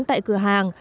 tại cửa hàng